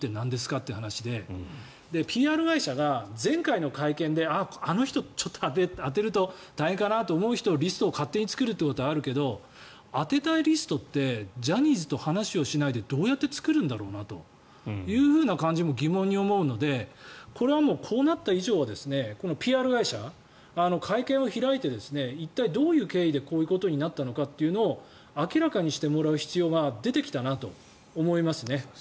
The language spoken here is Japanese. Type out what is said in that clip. って話でＰＲ会社が前回の会見であの人、当てると大変かなと思う人のリストを勝手に作ることはあるけど当てたいリストってジャニーズと話をしないでどうやって作るんだろうなという感じも疑問に思うのでこれはもう、こうなった以上はＰＲ会社、会見を開いて一体どういう経緯でこういうことになったのかというのを明らかにしてもらう必要が出てきたなと思います。